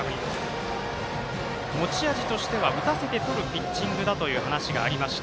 持ち味としては打たせてとるピッチングだという話がありました。